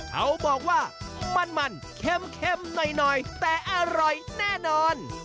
เขาบอกว่ามันเข้มหน่อยแต่อร่อยแน่นอน